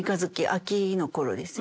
秋の頃ですよね